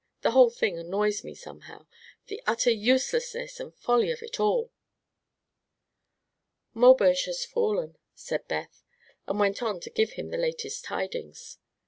The whole thing annoys me, somehow the utter uselessness and folly of it all." "Maubeuge has fallen," said Beth, and went on to give him the latest tidings.